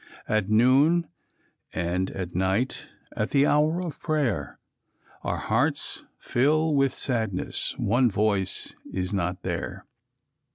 At noon, and at night, at the hour of prayer, Our hearts fill with sadness, one voice is not there.